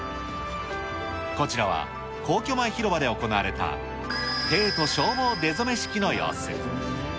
こちらは皇居前広場で行われた帝都消防出初め式の様子。